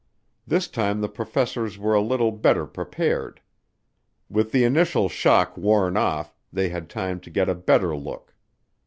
This time the professors were a little better prepared. With the initial shock worn off, they had time to get a better look.